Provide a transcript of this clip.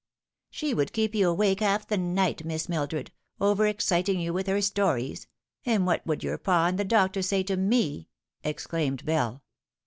" She would keep you awake half the night, Miss Mildred, over exciting you with her stories ; and what would your pa and the doctors say to me .*" exclaimed Bell.